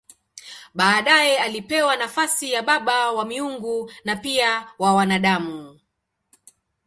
Baadaye alipewa nafasi ya baba wa miungu na pia wa wanadamu.